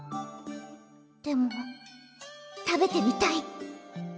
でも食べてみたい！